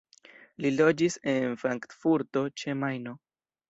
Li loĝis en Frankfurto ĉe Majno.